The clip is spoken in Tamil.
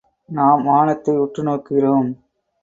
நாம் வானத்தை உற்று நோக்குகிறோம்.